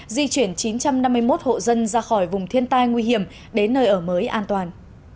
di chuyển chín trăm năm mươi một hộ dân ra khỏi vùng thiên tai nguy hiểm đến nơi ở mới an toàn